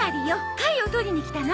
貝を採りに来たの。